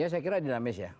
ya saya kira dinamis ya